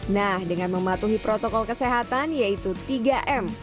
nah dengan mematuhi protokol kesehatan yaitu tiga m